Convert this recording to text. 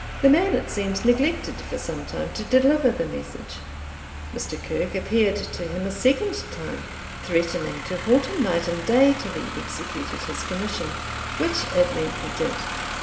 The man, it seems, neglected, for some time, to deliver the message. Mr. Kirke appeared to him a second time, threatening to haunt him night and day till he executed his commission, which at length he did.